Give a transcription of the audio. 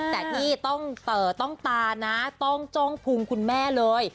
แต่ที่ต้องตานะต้องจ้องพุงคุณแม่เลย